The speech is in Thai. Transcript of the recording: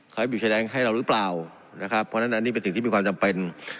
เขาแสดงให้เราหรือเปล่านะครับเพราะฉะนั้นอันนี้เป็นสิ่งที่มีความจำเป็น